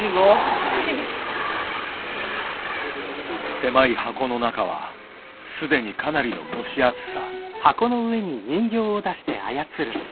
狭い箱の中は既にかなりの蒸し暑さ。